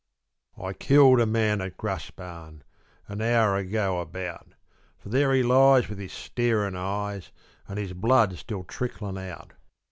I killed a man at Graspan; An hour ago about, For there he lies with his starin' eyes, An' his blood still tricklin' out.